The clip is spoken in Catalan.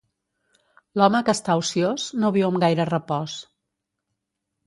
L'home que està ociós no viu amb gaire repòs.